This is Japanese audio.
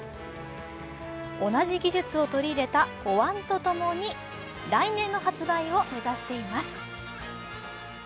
同じ技術を取り入れたおわんとともに来年の発売を目指しています。